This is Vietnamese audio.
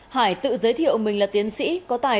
hải tự giới thiệu mình là tiến sĩ